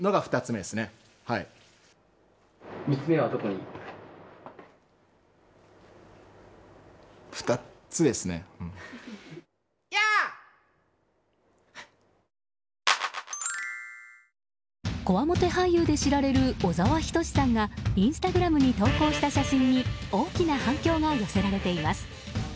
こわもて俳優で知られる小沢仁志さんがインスタグラムに投稿した写真に大きな反響が寄せられています。